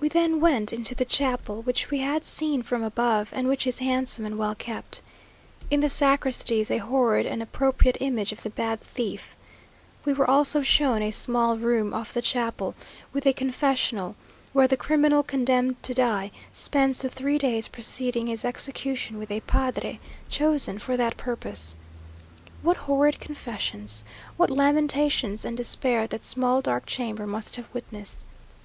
We then went into the chapel, which we had seen from above, and which is handsome and well kept. In the sacristy is a horrid and appropriate image of the bad thief. We were also shown a small room off the chapel, with a confessional, where the criminal condemned to die spends the three days preceding his execution with a padre chosen for that purpose. What horrid confessions, what lamentations and despair that small dark chamber must have witnessed!